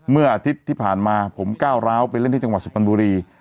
เมื่ออาทิตย์ที่ผ่านมาผมก้าวร้าวไปเล่นที่จังหวัดสุพรรณบุรี